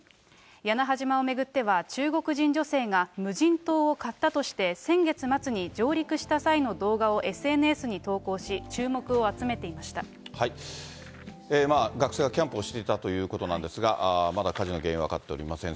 屋那覇島を巡っては、中国人女性が無人島を買ったとして、先月末に上陸した際の動画をＳＮＳに投稿し、注目を集めていまし学生がキャンプをしていたということなんですが、まだ火事の原因は分かっていません。